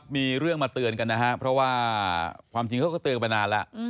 มีเรื่องมาเตือนกันนะครับเพราะว่าความจริงเขาก็เตือนมานานแล้ว